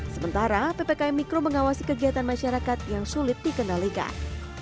sementara ppkm mikro mengawasi kegiatan masyarakat yang sulit dikendalikan